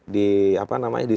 di apa namanya di